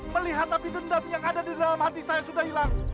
melihat api dendam yang ada di dalam hati saya sudah hilang